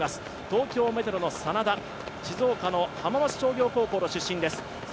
東京メトロの眞田、静岡の浜松商業高校の出身です。